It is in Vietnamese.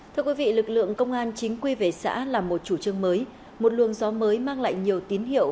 thưa quý vị lực lượng công an chính quy về xã là một chủ trương mới một luồng gió mới mang lại nhiều tín hiệu